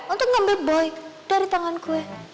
untuk ngambil poi dari tangan gue